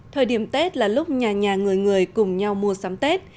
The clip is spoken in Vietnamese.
thời điểm tết là lúc nhà nhà người người cùng nhau mua sắm tết